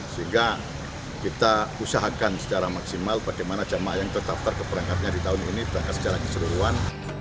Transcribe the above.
sehingga kita usahakan secara maksimal bagaimana jamaah yang terdaftar keberangkatnya di tahun ini berangkat secara keseluruhan